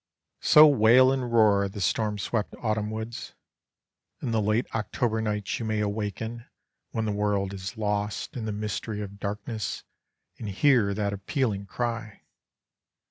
So wail and roar the storm swept autumn woods. In the late October nights you may awaken, when the world is lost in the mystery of darkness, and hear that appealing cry.